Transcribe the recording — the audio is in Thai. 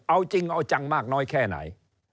เอาจริงเอาจังมากน้อยแค่ไหน